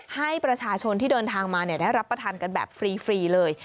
ให้ประชาชนที่เดินทางมาได้รับประทานกันแบบฟรีเลย